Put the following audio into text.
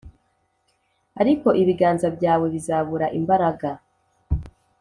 ariko ibiganza byawe bizabura imbaraga.